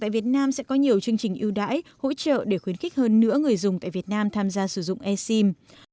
tại việt nam sẽ có nhiều chương trình ưu đãi hỗ trợ để khuyến khích hơn nửa người dùng tại việt nam tham gia sử dụng e sim